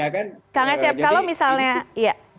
kak ngecep kalau misalnya